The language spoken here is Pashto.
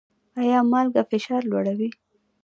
ایا مالګه فشار لوړوي؟